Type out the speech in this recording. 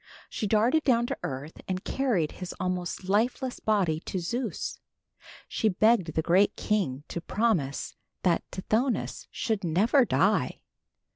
She darted down to earth and carried his almost lifeless body to Zeus. She begged the great king to promise that Tithonus should never die.